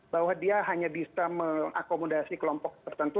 bahwa dia hanya bisa mengakomodasi kelompok tertentu